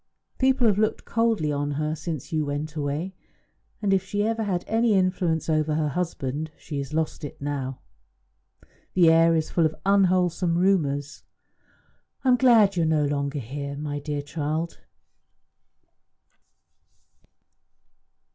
People have looked coldly on her since you went away, and if she ever had any influence over her husband, she has lost it now. The air is full of unwholesome rumours. I am glad that you are no longer here, my dear child."